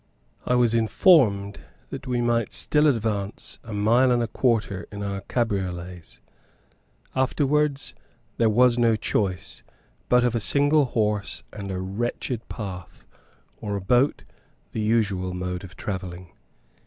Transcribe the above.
I was informed that we might still advance a mile and a quarter in our cabrioles; afterwards there was no choice, but of a single horse and wretched path, or a boat, the usual mode of travelling.